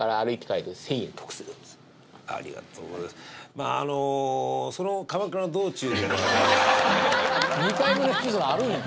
まぁあのその鎌倉の道中で２回目のエピソードあるんや？